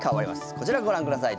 こちらご覧ください。